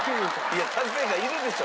いや達成感いるでしょ。